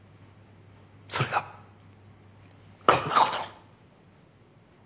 それがこんな事に。